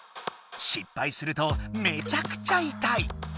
しっぱいするとめちゃくちゃ痛い。